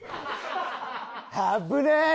危ねえー！